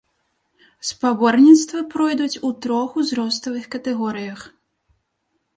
Спаборніцтвы пройдуць у трох узроставых катэгорыях.